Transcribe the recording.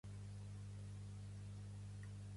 La seva capital és la ciutat de Guelmim.